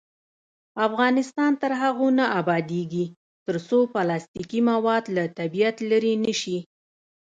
افغانستان تر هغو نه ابادیږي، ترڅو پلاستیکي مواد له طبیعت لرې نشي.